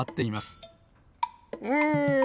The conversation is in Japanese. うん。